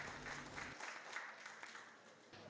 kalau di rumah sakit ini bagaimana perbedaan